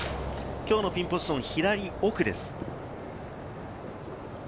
きょうのピンポジション、左奥です。